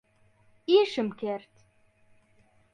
ئیشم کرد.